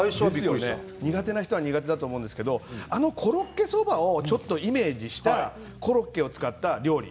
苦手な人は苦手だと思うんですけどあのコロッケそばをちょっとイメージしたコロッケを使った料理。